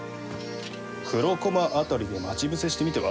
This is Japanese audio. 黒駒辺りで待ち伏せしてみては？